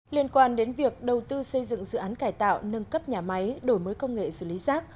liên quan đến việc đầu tư xây dựng dự án cải tạo nâng cấp nhà máy đổi mới công nghệ xử lý rác